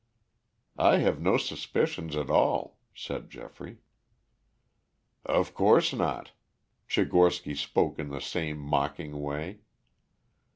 "I have no suspicions at all," said Geoffrey. "Of course not," Tchigorsky spoke in the same mocking way.